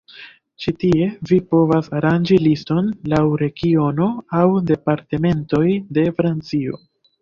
Ĉi tie, vi povas aranĝi liston laŭ regiono aŭ Departementoj de Francio.